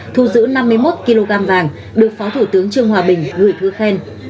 thu giữ năm mươi một kg vàng được phó thủ tướng trương hòa bình gửi thư khen